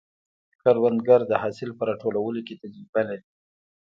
کروندګر د حاصل په راټولولو کې تجربه لري